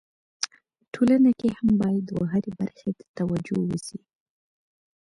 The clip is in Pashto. ټولنه کي هم باید و هري برخي ته توجو وسي.